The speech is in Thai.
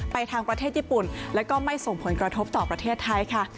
ทางประเทศญี่ปุ่นแล้วก็ไม่ส่งผลกระทบต่อประเทศไทยค่ะ